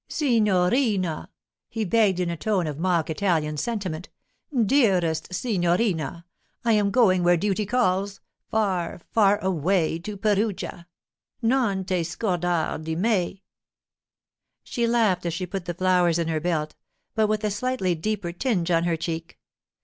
'Signorina,' he begged in a tone of mock Italian sentiment—'dearest signorina, I am going where duty calls—far, far away to Perugia. Non te scordar di me!' She laughed as she put the flowers in her belt, but with a slightly deeper tinge on her cheek.